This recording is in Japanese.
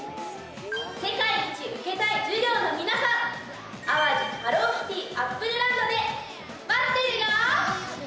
世界一受けたい授業の皆さん、淡路ハローキティアップルランドで待ってるよ。